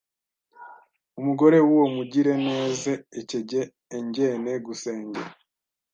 Umugore w’uwo mugireneze ekejye enjyene gusenge